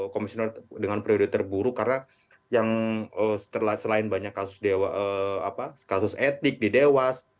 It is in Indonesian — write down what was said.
komisioner dengan priode terburuk karena yang selain banyak kasus etik didewas